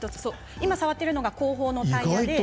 今触っているのが後方のタイヤ。